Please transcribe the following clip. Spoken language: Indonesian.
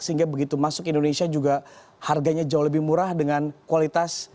sehingga begitu masuk indonesia juga harganya jauh lebih murah dengan kualitas